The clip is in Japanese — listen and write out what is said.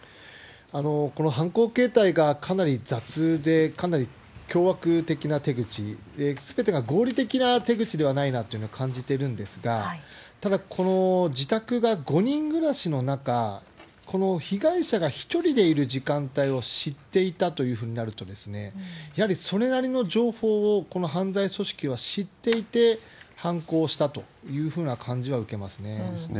この犯行形態がかなり雑で、かなり凶悪的な手口で、すべてが合理的な手口ではないなと感じてるんですが、ただ、この自宅が５人暮らしの中、この被害者が１人でいる時間帯を知っていたというふうになると、やはりそれなりの情報をこの犯罪組織は知っていて、犯行したというふうな感じは受けますね。